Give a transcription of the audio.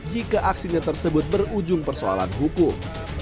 jika aksinya tersebut berujung persoalan hukum